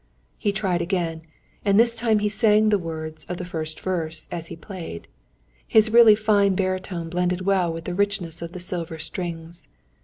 He tried again; and this time he sang the words of the first verse, as he played. His really fine baritone blended well with the richness of the silver strings.